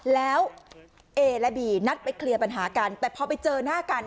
แล้วเอและบีนัดไปเคลียร์ปัญหากันแต่พอไปเจอหน้ากัน